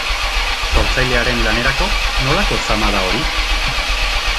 Sortzailearen lanerako, nolako zama da hori?